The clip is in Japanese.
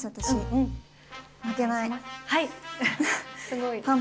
すごい。